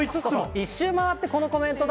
一周回って、このコメントだ